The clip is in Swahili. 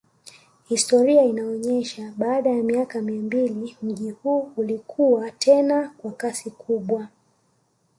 Historia inaonesha baada ya miaka mia mbili mji huu ulikuwa tena kwa kasi kubwa